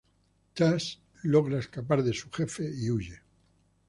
Chas logra escapar de su jefe y huye.